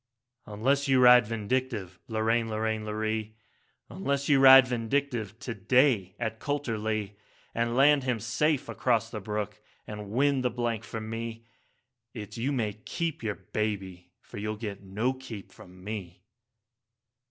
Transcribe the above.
3 'Unless you ride Vindictive, Lorraine, Lorraine, Lorree, Unless you ride Vindictive to day at Coulterlee, And land him safe across the brook, and win the blank for me, It's you may keep your baby, for you'll get no keep from me.'